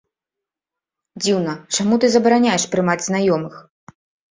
Дзіўна, чаму ты забараняеш прымаць знаёмых?